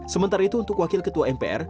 sementara itu untuk wakil ketua mpr